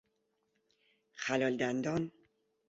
خلال دندان